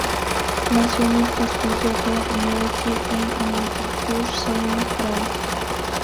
Nació en el Castillo de Neuilly, en Neuilly-sur-Seine, Francia.